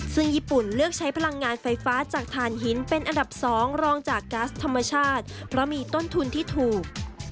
ซึ่งญี่ปุ่นเลือกใช้พลังงานไฟฟ้าจากฐานหินเป็นอันดับ๒รองจากก๊าซธรรมชาติเพราะมีต้นทุนที่ถูก